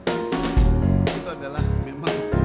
itu adalah memang